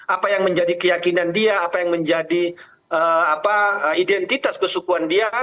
apa yang menjadi keyakinan dia apa yang menjadi identitas kesukuan dia